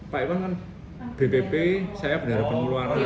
pak iwan kan bpp saya berharap pengeluaran